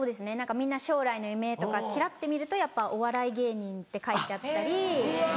何かみんな将来の夢とかちらって見るとやっぱお笑い芸人って書いてあったり。